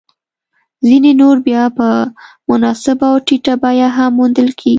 ځیني نور بیا په مناسبه او ټیټه بیه هم موندل کېږي